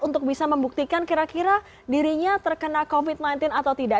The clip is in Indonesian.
untuk bisa membuktikan kira kira dirinya terkena covid sembilan belas atau tidak